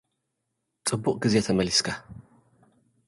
ጽቡቕ ግዜ ተመሊስካ።